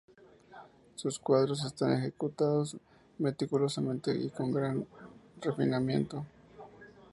Sus cuadros están ejecutados meticulosamente y con gran refinamiento.